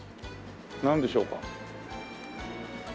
なんでしょうか？